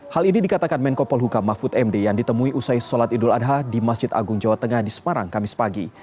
hal ini dikatakan menko polhuka mahfud md yang ditemui usai sholat idul adha di masjid agung jawa tengah di semarang kamis pagi